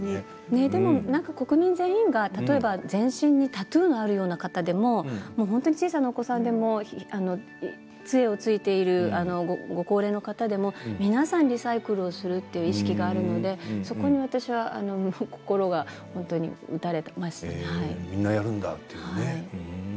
国民全員が全身にタトゥーがあるような方でも小さなお子さんでもつえをついているご高齢の方でも皆さん、リサイクルするという意識があるのでみんなやるんだと。